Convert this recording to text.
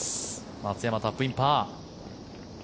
松山、タップインパー。